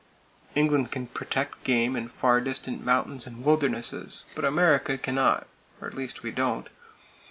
England can protect game in far distant mountains and wildernesses; but America can not,—or at least we don't!